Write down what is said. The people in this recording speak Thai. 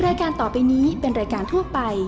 รายการต่อไปนี้เป็นรายการทั่วไป